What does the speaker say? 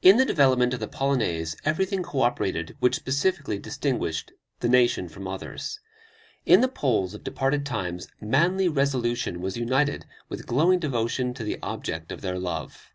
In the development of the Polonaise everything co operated which specifically distinguished the nation from others. In the Poles of departed times manly resolution was united with glowing devotion to the object of their love.